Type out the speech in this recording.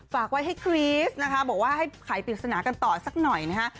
ฝากไว้ให้ครีสนะคะบอกว่าให้ไขปริศนากันต่อสักหน่อยนะฮะ